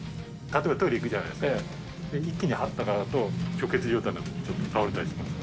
例えばトイレ行くじゃないですか、一気に頭を上げると、虚血状態になって倒れたりします。